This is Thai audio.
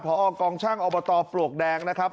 พอกองช่างอบตปลวกแดงนะครับ